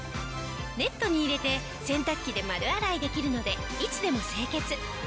ネットに入れて洗濯機で丸洗いできるのでいつでも清潔。